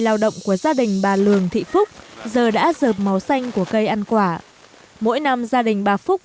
lao động của gia đình bà lường thị phúc giờ đã rợp màu xanh của cây ăn quả mỗi năm gia đình bà phúc